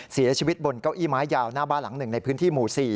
เสียชีวิตบนเก้าอี้ไม้ยาวหน้าบ้านหลังหนึ่งในพื้นที่หมู่๔